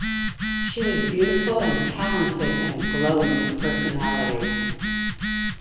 She was beautiful and talented and glowing with personality.